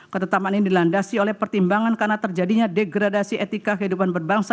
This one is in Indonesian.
ketetapan ini dilandasi oleh pertimbangan karena terjadinya degradasi etika kehidupan berbangsa